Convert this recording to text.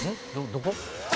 どこ？